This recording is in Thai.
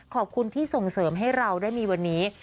ขอบคุณที่ส่งเสริมให้เราได้มีวันนี้